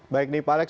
baik pak lek